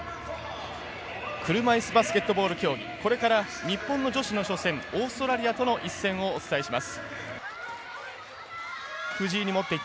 バスケットボール女子日本の女子の初戦オーストラリアとの一線をお伝えします。